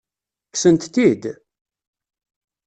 Kksent-t-id?